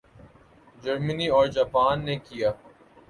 جرمنی اور جاپان نے کیا